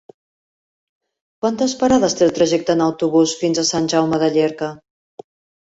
Quantes parades té el trajecte en autobús fins a Sant Jaume de Llierca?